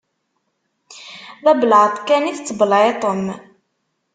D abelεeṭ kan i tettbelεiṭem.